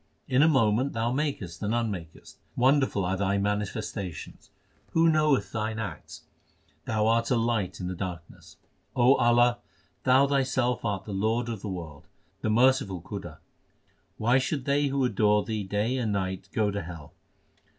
In a moment Thou makest and unmakest : wonderful are Thy manifestations. Who knoweth Thine acts ? l Thou art a light in the darkness. Allah, Thou Thyself art the Lord of the world, the merciful Khuda. 2 Why should they who adore Thee day and night go to hell?